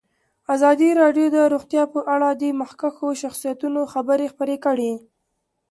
ازادي راډیو د روغتیا په اړه د مخکښو شخصیتونو خبرې خپرې کړي.